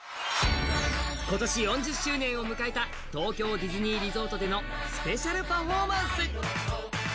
今年４０周年を迎えた東京ディズニーリゾートでのスペシャルパフォーマンス。